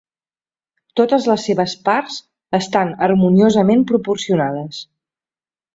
Totes les seves parts estan harmoniosament proporcionades.